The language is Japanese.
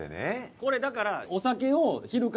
これだから。